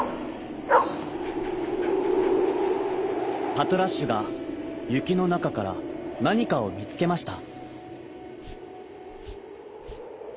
パトラッシュがゆきのなかからなにかをみつけました。